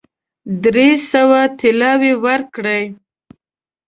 درې سوه طلاوي ورکړې.